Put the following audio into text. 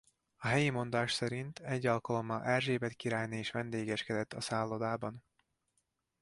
A helyi mondás szerint egy alkalommal Erzsébet királyné is vendégeskedett a szállodában.